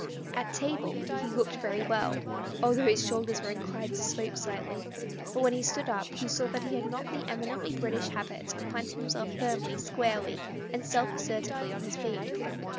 At table, he looked very well, although his shoulders were inclined to slope slightly ; but when he stood up you saw that he had not the emi nently British habit of planting himself firmly, squarely, and self assertively on his feet.